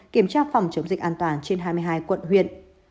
kiểm tra phòng chống dịch an toàn trên hai mươi hai quận huyện